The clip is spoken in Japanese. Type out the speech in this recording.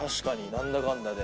何だかんだで。